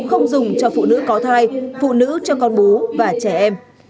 không dùng cho phụ nữ có thai phụ nữ cho con bú và trẻ em